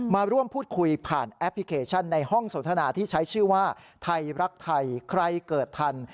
มาร่วมพูดคุยผ่านแอปพลิเคชันในห้องสนทนาที่ใช้ชื่อว่าไทยรักไทยใครเกิดทัน